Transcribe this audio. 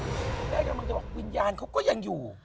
คุณแม่กำลังจะบอกวิญญาณเขาก็ยังอยู่